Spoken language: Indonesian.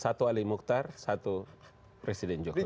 satu ali mukhtar satu presiden joko widodo